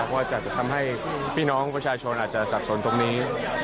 ว่าจะทำให้พี่น้องประชาชนอาจจะสับสนตรงนี้